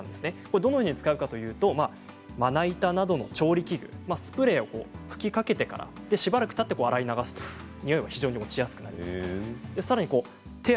どのように使うかというとまな板などの調理器具、スプレー吹きかけてから、しばらくたって洗い流すとにおいが非常に落ちやすくなります。